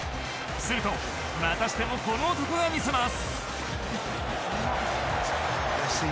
すると、またしてもこの男が魅せます！